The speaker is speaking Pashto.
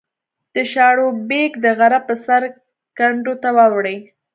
د شاړوبېک د غره په سر کنډو ته واوړې